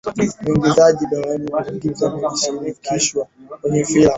mwigizaji dorothy gibson alishirikishwa kwenye filamu